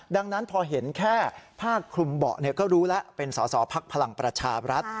ดังนั้นพอเห็นแค่ผ้าคลุมเบาะก็รู้แล้วเป็นสอสอภักดิ์พลังประชาบรัฐ